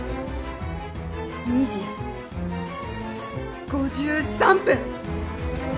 ２時５３分！